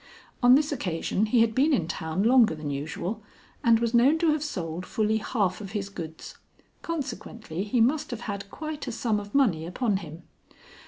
On this occasion he had been in town longer than usual, and was known to have sold fully half of his goods. Consequently he must have had quite a sum of money upon him.